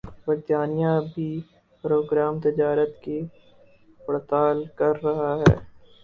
برطانیہ بھِی پروگرام تجارت کی پڑتال کر رہا ہے